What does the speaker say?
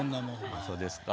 そうですか。